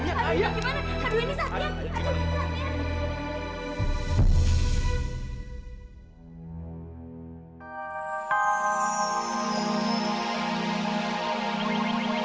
ayah kamu dengerin aduh ini gimana